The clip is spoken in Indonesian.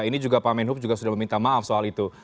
ini juga pak menhub juga sudah meminta maaf soal itu